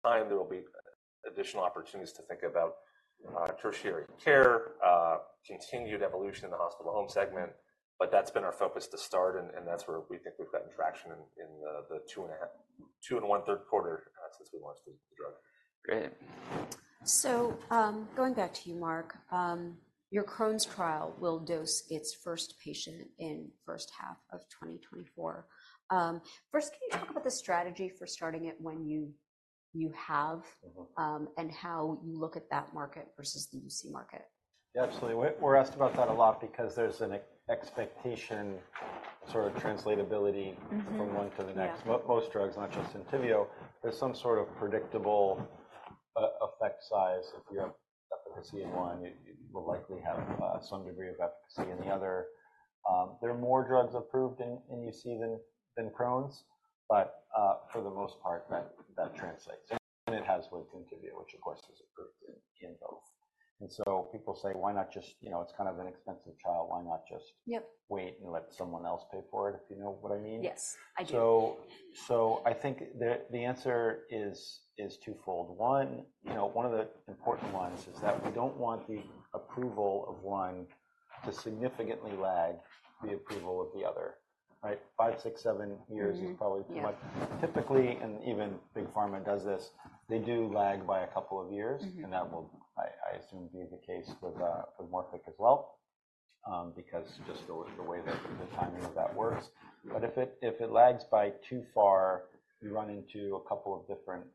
time, there will be additional opportunities to think about tertiary care, continued evolution in the hospital-to-home segment, but that's been our focus to start, and that's where we think we've gotten traction in the 2 1/3 quarters since we launched the drug. Great. So, going back to you, Marc. Your Crohn's trial will dose its first patient in first half of 2024. First, can you talk about the strategy for starting it when you, you have- how you look at that market versus the UC market? Yeah, absolutely. We're asked about that a lot because there's an expectation, sort of, translatability- from one to the next. Yeah. Most drugs, not just Entyvio, there's some sort of predictable effect size. If you have efficacy in one, you will likely have some degree of efficacy in the other. There are more drugs approved in UC than Crohn's, but for the most part, that translates, and it has with Entyvio, which of course is approved in both. And so people say, "Why not just... You know, it's kind of an expensive trial. Why not just- Yep Wait and let someone else pay for it? If you know what I mean? Yes, I do. So, I think the answer is twofold. One, you know, one of the important ones is that we don't want the approval of one to significantly lag the approval of the other, right? five, six, seven years- is probably too much. Typically, even big pharma does this, they do lag by a couple of years. That will, I assume, be the case with Morphic as well, because just the way that the timing of that works. But if it lags by too far, you run into a couple of different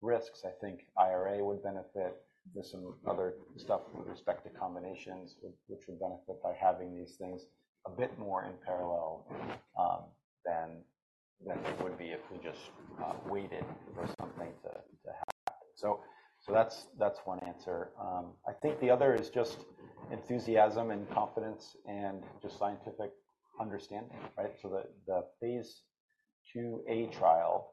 risks. I think IRA would benefit with some other stuff with respect to combinations, which would benefit by having these things a bit more in parallel than it would be if we just waited for something to happen. So that's one answer. I think the other is just enthusiasm and confidence and just scientific understanding, right? So the phase 2A trial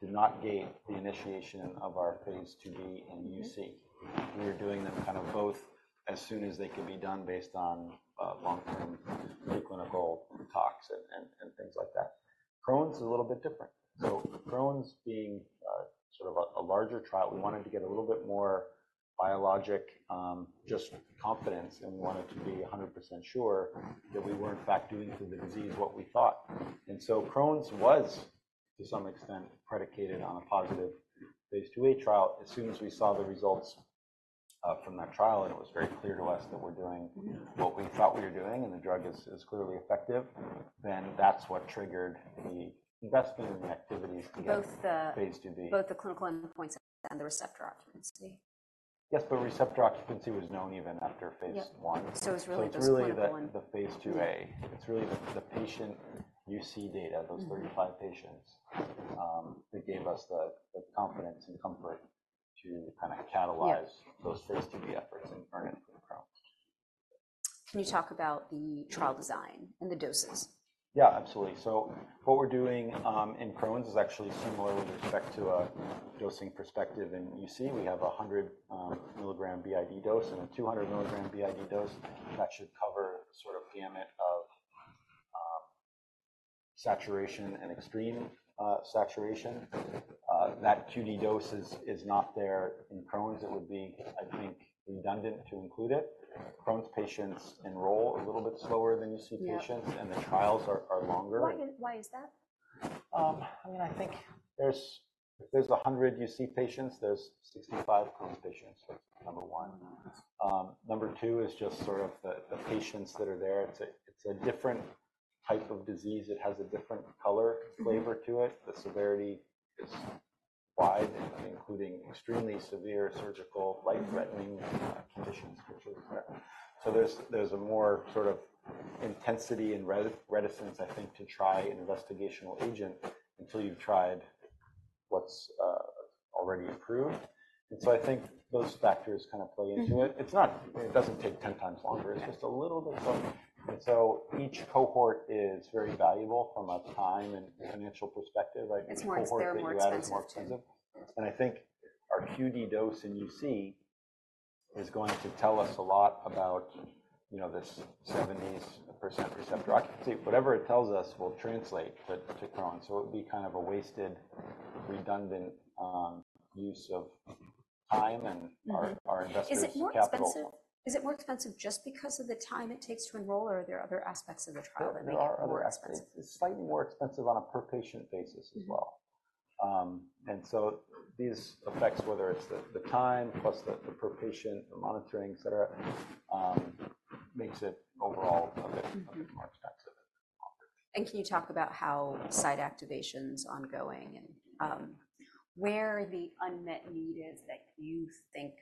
did not gate the initiation of our phase 2B in UC. We are doing them kind of both as soon as they can be done, based on long-term preclinical tox and things like that. Crohn's is a little bit different. So Crohn's being sort of a larger trial, we wanted to get a little bit more biological just confidence, and we wanted to be 100% sure that we were in fact doing to the disease what we thought. And so Crohn's was, to some extent, predicated on a positive phase 2a trial. As soon as we saw the results from that trial, and it was very clear to us that we're doing- what we thought we were doing, and the drug is clearly effective, then that's what triggered the investment and the activities to get- Both the- phase 2b. Both the clinical endpoints and the receptor occupancy. Yes, but receptor occupancy was known even after phase 1. Yep. So it's really just point of going- It's really the phase 2a. It's really the patient UC data- Mm-hmm... those 35 patients that gave us the confidence and comfort to kinda catalyze- Yep -those phase two B efforts in Crohn's. Can you talk about the trial design and the doses? Yeah, absolutely. So what we're doing in Crohn's is actually similar with respect to a dosing perspective. In UC, we have a 100 milligram BID dose and a 200 milligram BID dose that should cover sort of gamut of saturation and extreme saturation. That QD dose is not there in Crohn's. It would be, I think, redundant to include it. Crohn's patients enroll a little bit slower than UC patients- Yeah and the trials are longer. Why is that? I mean, I think there's, if there's 100 UC patients, there's 65 Crohn's patients, number one. Number two is just sort of the patients that are there, it's a different type of disease, it has a different color flavor to it. The severity is wide, including extremely severe surgical, life-threatening conditions, which is rare. So there's a more sort of intensity and reticence, I think, to try an investigational agent until you've tried what's already approved. And so I think those factors kind of play into it It doesn't take 10 times longer. It's just a little bit longer. And so each cohort is very valuable from a time and financial perspective. It's more, they are more expensive too. And I think our QD dose in UC is going to tell us a lot about, you know, this 70% receptor occupancy. Whatever it tells us will translate to, to Crohn's, so it would be kind of a wasted, redundant, use of time and- our investors' capital. Is it more expensive? Is it more expensive just because of the time it takes to enroll, or are there other aspects of the trial that make it more expensive? There are other aspects. It's slightly more expensive on a per-patient basis as well. And so these effects, whether it's the time plus the per patient monitoring, et cetera, makes it overall a bit- -more expensive. Can you talk about how site activation's ongoing and where the unmet need is that you think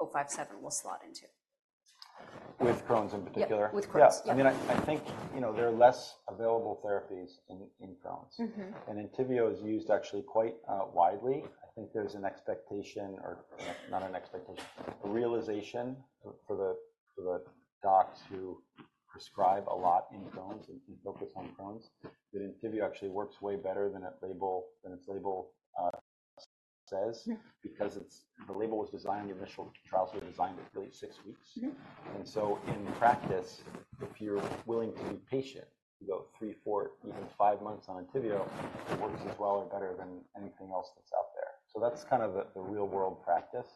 MORF-057 will slot into? With Crohn's in particular? Yep, with Crohn's. Yeah. I mean, I think, you know, there are less available therapies in Crohn's. Entyvio is used actually quite widely. I think there's an expectation, or not an expectation, a realization for the docs who prescribe a lot in Crohn's and focus on Crohn's, that Entyvio actually works way better than its label, than its label, says- because it's... The label was designed, the initial trials were designed at least six weeks. And so in practice, if you're willing to be patient, you go three, four, even five months on Entyvio, it works as well or better than anything else that's out there. So that's kind of the real-world practice.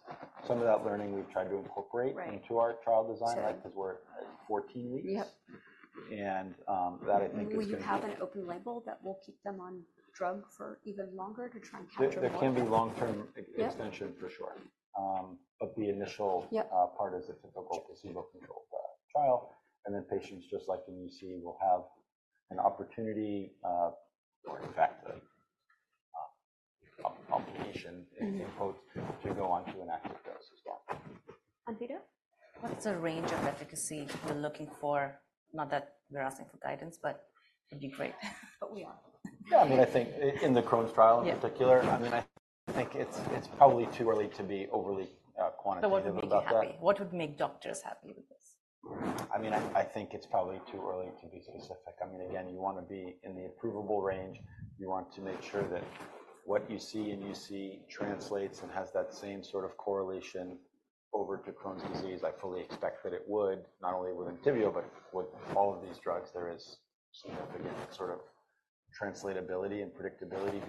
Some of that learning we've tried to incorporate- Right. into our trial design Sure. because we're 14 weeks. Yep. that I think is gonna- Will you have an open label that will keep them on drug for even longer to try and capture more? There can be long-term- Yep. -extension for sure. But the initial- Yep... part is a typical placebo-controlled trial, and then patients, just like in UC, will have an opportunity, or in fact, a complication-... in quote, to go on to an active dose as well. And Praveen? What's the range of efficacy we're looking for? Not that we're asking for guidance, but it'd be great. But we are. Yeah, I mean, I think in the Crohn's trial- Yep In particular, I mean, I think it's, it's probably too early to be overly quantitative about that. So what would make you happy? What would make doctors happy with this? I mean, I think it's probably too early to be specific. I mean, again, you want to be in the approvable range. You want to make sure that what you see in UC translates and has that same sort of correlation over to Crohn's disease. I fully expect that it would, not only with Entyvio, but with all of these drugs, there is significant sort of translatability and predictability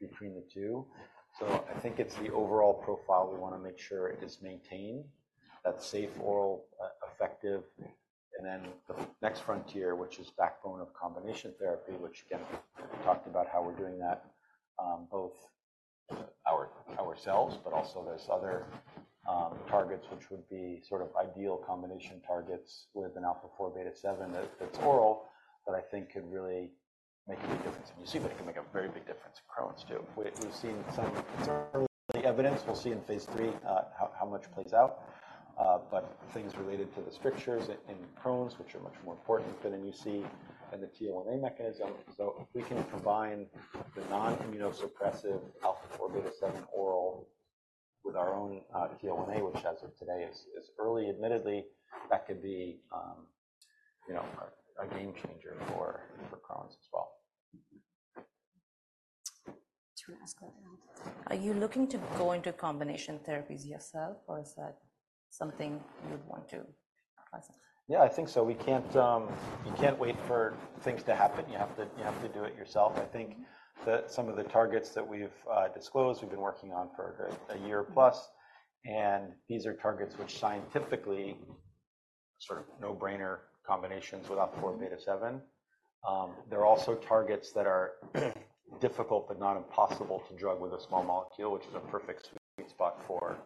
between the two. So I think it's the overall profile. We wanna make sure it is maintained, that's safe, oral, effective. And then the next frontier, which is backbone of combination therapy, which again, we talked about how we're doing that, both our own, ourselves, but also there's other targets which would be sort of ideal combination targets with an alpha-4 beta-7, that's oral, that I think could really make a big difference in UC, but it can make a very big difference in Crohn's, too. We've seen some early evidence. We'll see in phase 3 how much plays out, but things related to the strictures in Crohn's, which are much more important than in UC and the TL1A mechanism. So if we can combine the non-immunosuppressive alpha-4 beta-7 oral with our own TL1A, which as of today is early, admittedly, that could be you know a game changer for Crohn's as well. Do you want to ask about that? Are you looking to go into combination therapies yourself, or is that something you'd want to license? Yeah, I think so. We can't, you can't wait for things to happen. You have to, you have to do it yourself. I think that some of the targets that we've disclosed, we've been working on for a year plus, and these are targets which scientifically sort of no-brainer combinations with alpha four, beta-seven. They're also targets that are difficult, but not impossible to drug with a small molecule, which is a perfect sweet spot for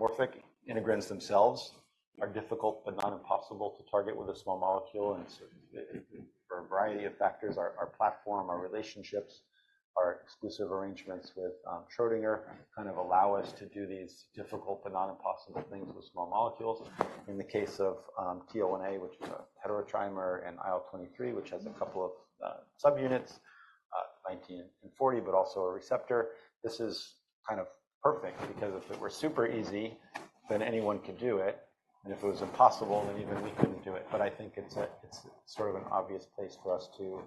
Morphic. Integrins themselves are difficult, but not impossible to target with a small molecule, and so for a variety of factors, our, our platform, our relationships, our exclusive arrangements with, Schrödinger kind of allow us to do these difficult but not impossible things with small molecules. In the case of TL1A, which is a heterotrimer, and IL-23, which has a couple of subunits, 19 and 40, but also a receptor. This is kind of perfect, because if it were super easy, then anyone could do it, and if it was impossible, then even we couldn't do it. But I think it's a, it's sort of an obvious place for us to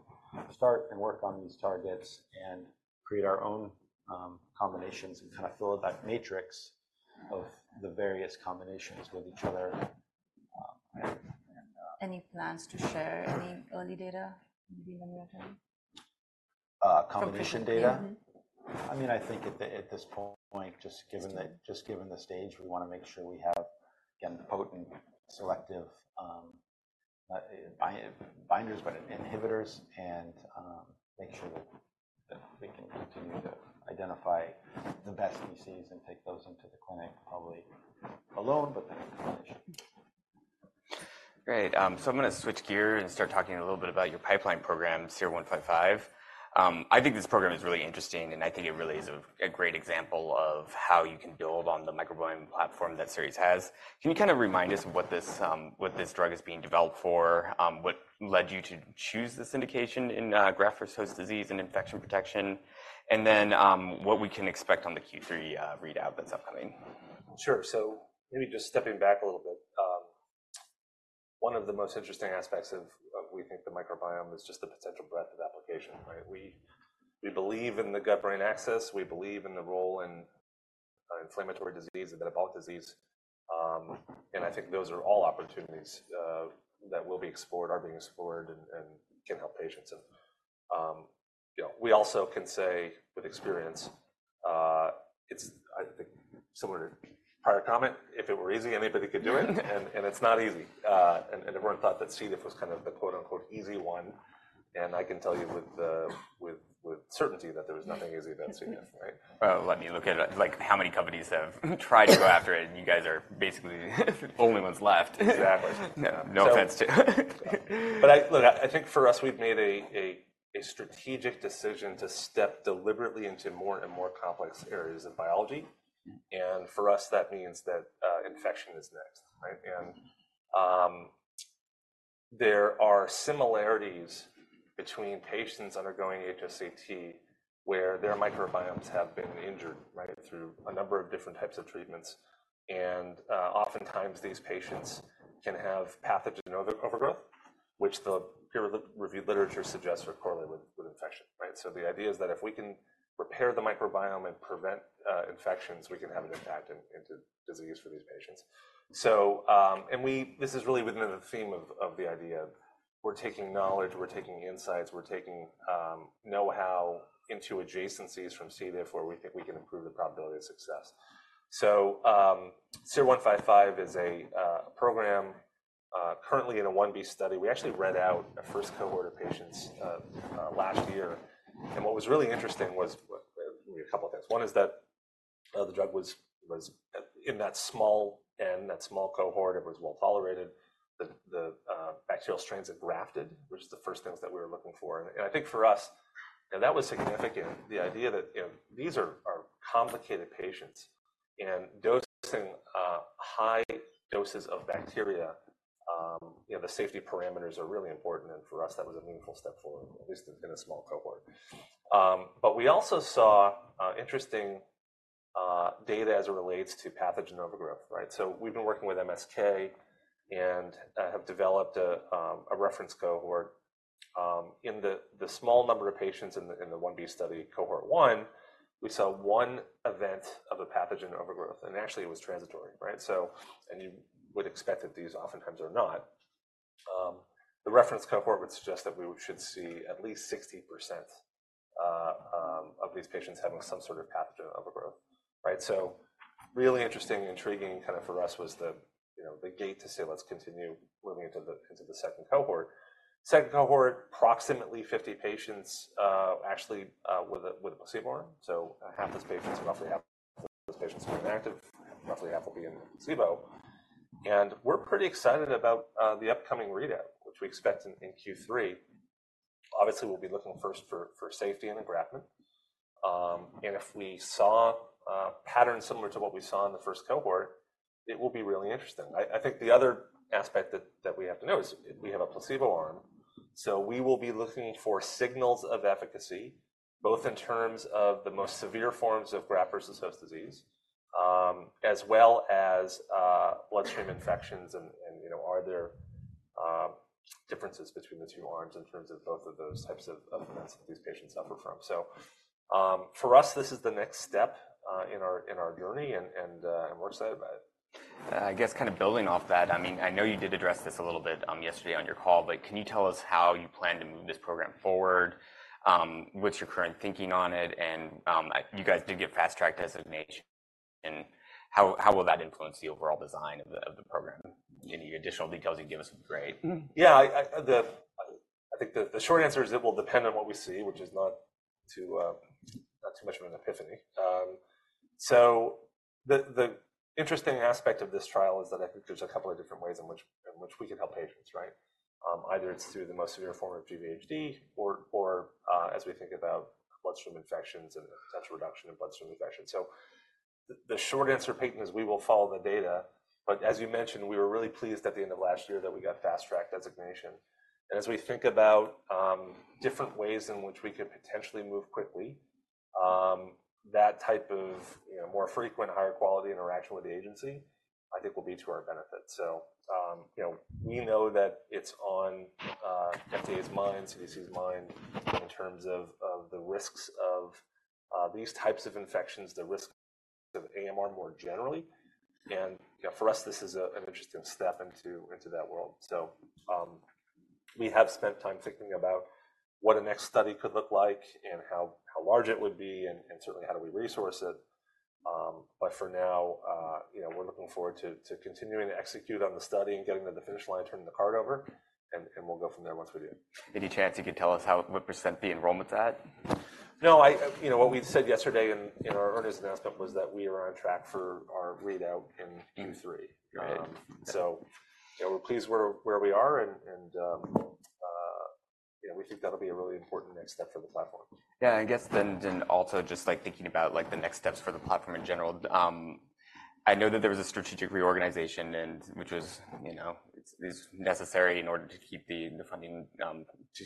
start and work on these targets and create our own combinations and kind of fill out that matrix of the various combinations with each other, and Any plans to share any early data, maybe when you return? Combination data? I mean, I think at this point, just given the stage, we wanna make sure we have, again, the potent selective bi-binders, but inhibitors, and make sure that we can continue to-... identify the best DCs and take those into the clinic, probably alone, but then Great. So I'm gonna switch gear and start talking a little bit about your pipeline program, SER-155. I think this program is really interesting, and I think it really is a great example of how you can build on the microbiome platform that Seres has. Can you kind of remind us of what this, what this drug is being developed for? What led you to choose this indication in graft-versus-host disease and infection protection, and then, what we can expect on the Q3 readout that's upcoming? Sure. So maybe just stepping back a little bit, one of the most interesting aspects of what we think the microbiome is just the potential breadth of application, right? We believe in the gut-brain axis, we believe in the role in inflammatory disease and metabolic disease. And I think those are all opportunities that will be explored, are being explored, and can help patients. And you know, we also can say with experience, it's, I think, similar to prior comment, if it were easy, anybody could do it. And it's not easy. And everyone thought that C. diff was kind of the quote, unquote, easy one, and I can tell you with certainty that there was nothing easy about C. diff, right? Well, let me look at it, like how many companies have tried to go after it, and you guys are basically the only ones left. Exactly. Yeah. No offense to you. But look, I think for us, we've made a strategic decision to step deliberately into more and more complex areas of biology, and for us, that means that infection is next, right? There are similarities between patients undergoing HSCT, where their microbiomes have been injured, right, through a number of different types of treatments, and oftentimes, these patients can have pathogen overgrowth, which the peer-reviewed literature suggests are correlated with infection, right? So the idea is that if we can repair the microbiome and prevent infections, we can have an impact into disease for these patients. This is really within the theme of the idea of we're taking knowledge, we're taking insights, we're taking know-how into adjacencies from C. diff, where we think we can improve the probability of success. So, SER-155 is a program currently in a 1b study. We actually read out our first cohort of patients last year, and what was really interesting was a couple of things. One is that the drug was, in that small N, that small cohort, it was well tolerated. The bacterial strains had engrafted, which is the first things that we were looking for. And I think for us, that was significant, the idea that, you know, these are complicated patients, and dosing high doses of bacteria, you know, the safety parameters are really important, and for us, that was a meaningful step forward, at least in a small cohort. But we also saw interesting data as it relates to pathogen overgrowth, right? We've been working with MSK and have developed a reference cohort. In the small number of patients in the 1B study, cohort 1, we saw one event of a pathogen overgrowth, and actually, it was transitory, right? And you would expect that these oftentimes are not. The reference cohort would suggest that we should see at least 60% of these patients having some sort of pathogen overgrowth, right? So really interesting, intriguing, kind of for us was the, you know, the gate to say, let's continue moving into the second cohort. Second cohort, approximately 50 patients, actually, with a placebo arm. So half those patients, roughly half those patients are inactive, roughly half will be in placebo. We're pretty excited about the upcoming readout, which we expect in Q3. Obviously, we'll be looking first for safety and the engraftment. And if we saw a pattern similar to what we saw in the first cohort, it will be really interesting. I think the other aspect that we have to note is we have a placebo arm, so we will be looking for signals of efficacy, both in terms of the most severe forms of Graft-versus-host disease, as well as bloodstream infections. And you know, are there differences between the two arms in terms of both of those types of events that these patients suffer from? So, for us, this is the next step in our journey, and we're excited about it. I guess kind of building off that, I mean, I know you did address this a little bit yesterday on your call, but can you tell us how you plan to move this program forward? What's your current thinking on it? And you guys did get fast track designation, and how will that influence the overall design of the program? Any additional details you'd give us would be great. Yeah, I think the short answer is it will depend on what we see, which is not too much of an epiphany. So the interesting aspect of this trial is that I think there's a couple of different ways in which we can help patients, right? Either it's through the most severe form of GVHD or as we think about bloodstream infections and the potential reduction in bloodstream infections. So the short answer, Peyton, is we will follow the data. But as you mentioned, we were really pleased at the end of last year that we got fast track designation. As we think about different ways in which we could potentially move quickly, that type of, you know, more frequent, higher quality interaction with the agency, I think will be to our benefit. So, you know, we know that it's on FDA's mind, CDC's mind, in terms of the risks of these types of infections, the risk of AMR more generally. And, you know, for us, this is an interesting step into that world. So, we have spent time thinking about what a next study could look like and how large it would be, and certainly how do we resource it. But for now, you know, we're looking forward to continuing to execute on the study and getting to the finish line, turning the card over, and we'll go from there once we do. Any chance you could tell us how, what % the enrollment's at? No, I, you know, what we've said yesterday in, in our earnings announcement was that we are on track for our readout in Q3. Got it. You know, we're pleased where we are, and you know, we think that'll be a really important next step for the platform. Yeah, I guess then also just, like, thinking about, like, the next steps for the platform in general. I know that there was a strategic reorganization and which was, you know, it's necessary in order to keep the funding to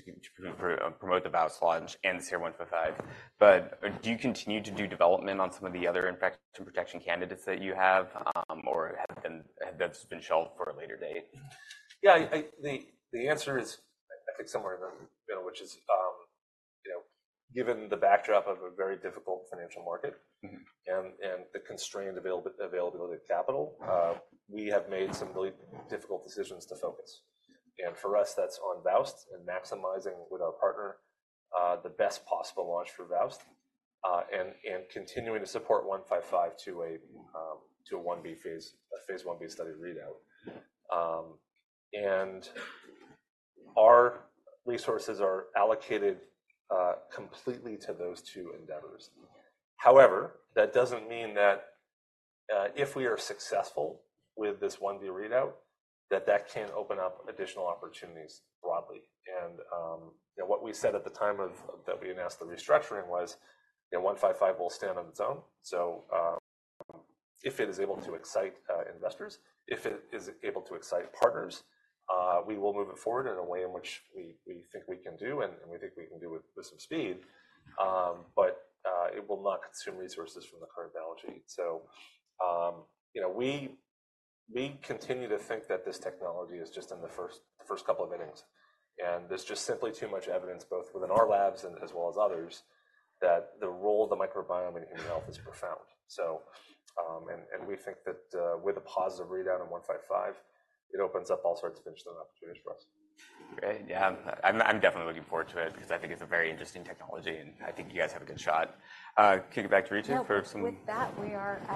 promote the VOWST launch and the SER-155. But do you continue to do development on some of the other infection protection candidates that you have, or have those been shelved for a later date? Yeah, the answer is, I think, somewhere in the middle, which is, you know, given the backdrop of a very difficult financial market. and the constrained availability of capital, we have made some really difficult decisions to focus. And for us, that's on VOWST and maximizing with our partner, the best possible launch for VOWST, and continuing to support 155 to a 1b phase, a phase 1b study readout. And our resources are allocated completely to those two endeavors. However, that doesn't mean that, if we are successful with this 1B readout, that that can't open up additional opportunities broadly. And, you know, what we said at the time of announcing the restructuring was, you know, 155 will stand on its own. So, if it is able to excite investors, if it is able to excite partners, we will move it forward in a way in which we think we can do, and we think we can do it with some speed. But, it will not consume resources from the [immunology]. So, you know, we continue to think that this technology is just in the first, the first couple of innings, and there's just simply too much evidence, both within our labs and as well as others, that the role of the microbiome in human health is profound. So, and we think that, with a positive readout on 155, it opens up all sorts of interesting opportunities for us. Great. Yeah, I'm definitely looking forward to it because I think it's a very interesting technology, and I think you guys have a good shot. Kick it back to Ritu for some- With that, we are at-